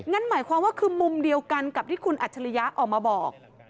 หมายความว่าคือมุมเดียวกันกับที่คุณอัจฉริยะออกมาบอก